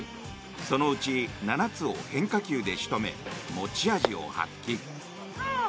そのうち７つを変化球で仕留め持ち味を発揮。